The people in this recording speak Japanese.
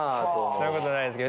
そんなことないですけど。